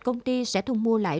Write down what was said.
công ty sẽ thung mua lại